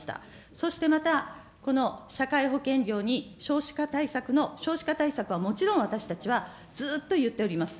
そしてまた、この社会保険料に少子化対策の、少子化対策はもちろん私たちは、ずっと言っております。